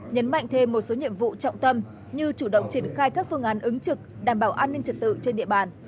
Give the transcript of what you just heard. nhấn mạnh thêm một số nhiệm vụ trọng tâm như chủ động triển khai các phương án ứng trực đảm bảo an ninh trật tự trên địa bàn